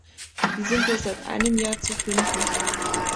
Die sind dort seit einem Jahr zu finden.